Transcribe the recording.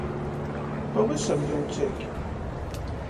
Pavysam jūceigi.